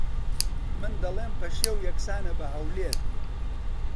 من دەڵێم پەشێو یەکسانە بە ھەولێر